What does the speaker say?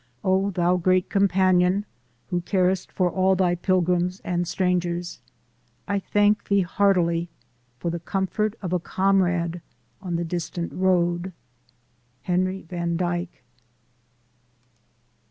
thou great Companion who carest for all thy pilgrims and strangers, 1 thank thee heartily for the comfort of a comrade on the distant road. Henry Van Dyk*.